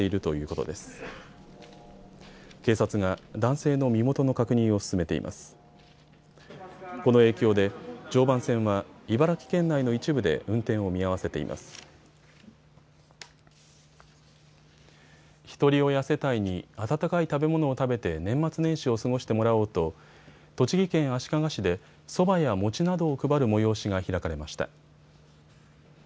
ひとり親世帯に温かい食べ物を食べて年末年始を過ごしてもらおうと栃木県足利市でそばや餅などを配る催しが開かれました。